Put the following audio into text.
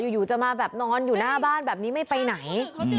อยู่จะมาแบบนอนอยู่หน้าบ้านแบบนี้ไม่ไปไหน